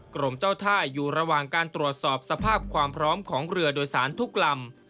กรมเจ้าท่าอยู่ระหว่างการตรวจสอบสภาพความพร้อมของเรือโดยสารทุกลำ